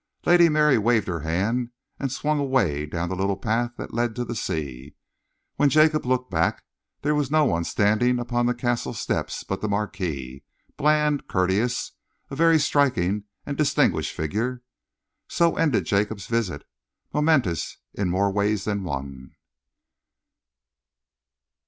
Lady Mary waved her hand and swung away down the little path that led to the sea. When Jacob looked back, there was no one standing upon the Castle steps but the Marquis, bland, courteous, a very striking and distinguished figure. So ended Jacob's visit, momentous in more ways than one.